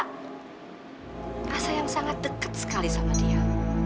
rasa yang sangat dekat sekali sama dia